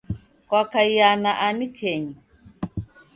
Kwakaia na ani kenyu?